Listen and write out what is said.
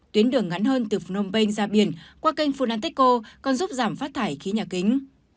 tuyến đường ngắn hơn từ phnom penh ra biển qua kênh funatexco còn giúp giảm phát thải khí nhà kính